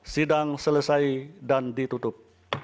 sidang selesai dan ditutup